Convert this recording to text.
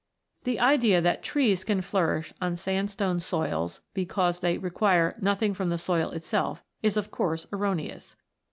The idea that trees can flourish on sandstone soils because they require nothing from the soil itself is of course erroneous.